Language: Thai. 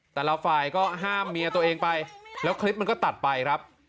แต่ละฝ่ายก็ห้ามเมียตัวเองไปแล้วคลิปมันก็ตัดไปครับ